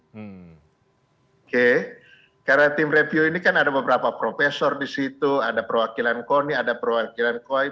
oke karena tim review ini kan ada beberapa profesor di situ ada perwakilan koni ada perwakilan koib